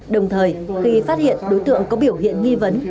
đồng thời khi phát hiện đối tượng có biểu hiện nghi vấn